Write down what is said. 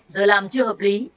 giờ làm chưa hợp lý